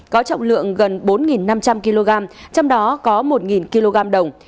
có trọng lượng gần bốn năm trăm linh kg trong đó có một kg đồng